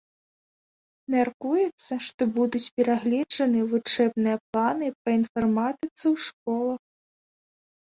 Мяркуецца, што будуць перагледжаны вучэбныя планы па інфарматыцы ў школах.